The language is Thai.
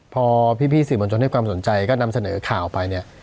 พอพี่ศืบบนโชนให้ความสนใจก็นำเสนอข่าวออกไป